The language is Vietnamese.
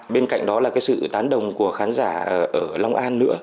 bên cạnh đó là cái sự tán đồng của khán giả ở long an nữa